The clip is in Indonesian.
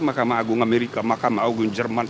mahkamah agung amerika makam agung jerman